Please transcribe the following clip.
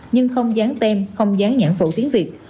nhưng không dán tem không dán nhãn phụ tiếng việt